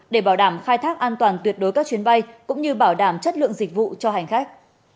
để bảo đảm khai thác an toàn tuyệt đối các chuyến bay cũng như bảo đảm chất lượng dịch vụ cho hành khách